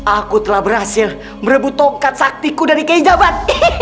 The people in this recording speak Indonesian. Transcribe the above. aku telah berhasil merebut tongkat saktiku dari kijabat